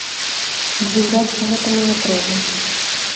Здзіўляцца гэтаму не трэба.